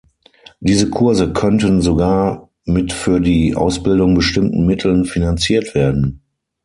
Diese Kurse könnten sogar mit für die Ausbildung bestimmten Mitteln finanziert werden.